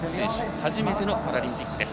初めてのパラリンピックです。